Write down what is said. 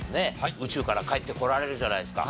宇宙から帰ってこられるじゃないですか。